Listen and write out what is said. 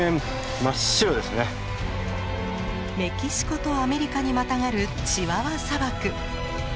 メキシコとアメリカにまたがるチワワ砂漠。